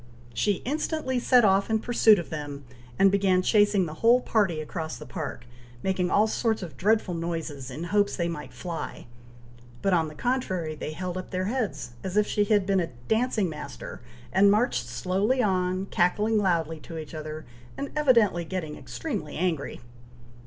She instantly set off in pursuit of them, and began chasing the whole party across the park, making all sorts of dreadful noises, in hopes they might fly; but, on the contrary, they held up their heads, as if she had been a dancing master, and marched slowly on, cackling loudly to each other, and evidently getting extremely angry.